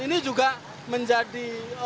ini juga menjadi